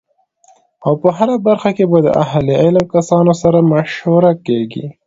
او په هره برخه کی به د اهل علم کسانو سره مشوره کیږی